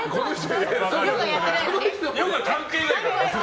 ヨガ関係ないから。